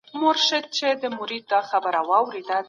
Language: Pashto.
د لاسي صنایعو په بازار کي نور څه شی پلورل کيدل؟